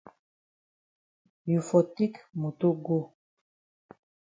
You for take moto go.